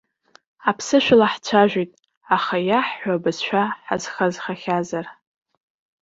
Аԥсышәала ҳцәажәоит, аха иаҳҳәо абызшәа хазхазхахьазар?